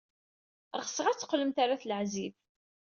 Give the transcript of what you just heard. Ɣseɣ ad teqqlemt ɣer At Leɛzib.